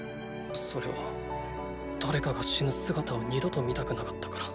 それは誰かが死ぬ姿を二度と見たくなかったから。